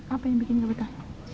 apa yang bikin kabeta